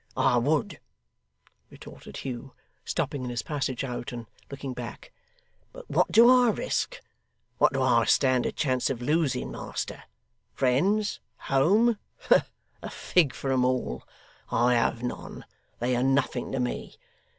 'I would,' retorted Hugh, stopping in his passage out and looking back; 'but what do I risk! What do I stand a chance of losing, master? Friends, home? A fig for 'em all; I have none; they are nothing to me.